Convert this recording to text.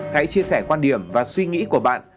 hãy chia sẻ quan điểm và suy nghĩ của bạn